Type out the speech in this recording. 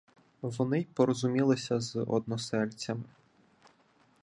Вони й порозумілися з односельцями.